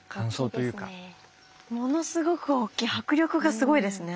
ものすごく大きい迫力がすごいですね。